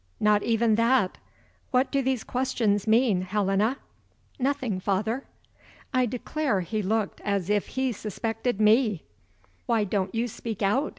"Not even that. What do these questions mean, Helena?" "Nothing, father." I declare he looked as if he suspected me! "Why don't you speak out?"